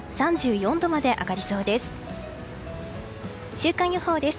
週間予報です。